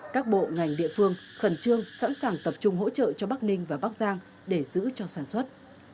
các bộ ngành địa phương khẩn trương sẵn sàng tập trung hỗ trợ cho bắc ninh và bắc giang để giữ cho sản xuất